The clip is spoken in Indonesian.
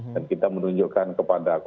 dan kita menunjukkan kepada komunitas